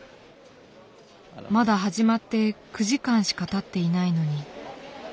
まだ始まって９時間しかたっていないのに。